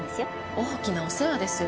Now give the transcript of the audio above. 大きなお世話ですよ。